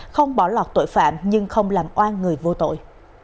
không bỏ lọt tội phạm nhưng không làm oan người vô tội